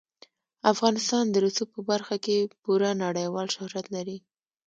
افغانستان د رسوب په برخه کې پوره نړیوال شهرت لري.